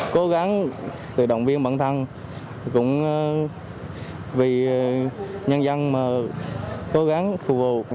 cố gắng tự động viên bản thân cũng vì nhân dân mà cố gắng phục vụ